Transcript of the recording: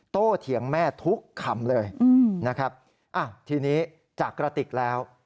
เถียงแม่ทุกคำเลยนะครับทีนี้จากกระติกแล้ว